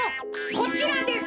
こちらです。